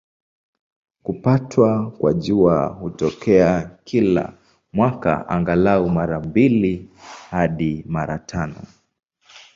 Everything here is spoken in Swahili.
Kupatwa kwa Jua hutokea kila mwaka, angalau mara mbili hadi mara tano.